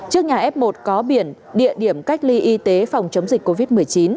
trước nhà f một có biển địa điểm cách ly y tế phòng chống dịch covid một mươi chín